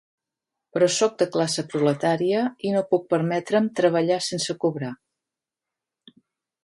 Però sóc de classe proletària i no puc permetre’m treballar sense cobrar.